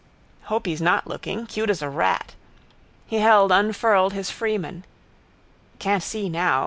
Hope he's not looking, cute as a rat. He held unfurled his Freeman. Can't see now.